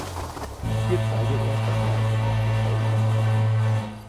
Hier zeige er, dass er auch etwas fürs Auge bieten könne.